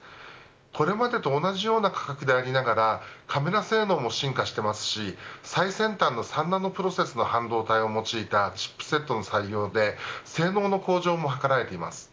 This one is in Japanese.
これまでと同じような価格でありながらカメラ性能も進化していますし最先端の３ナノプロセスの半導体を用いたチップセットの作用で性能の向上も図られています。